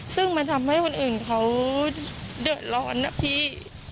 ซึ่งมันทำให้คนอื่นเขาเดือดร้อนนะพี่